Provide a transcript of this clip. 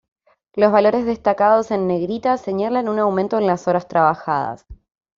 Los valores destacados en negrita señalan un aumento en las horas trabajadas.